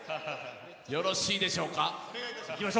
よろしいでしょうか？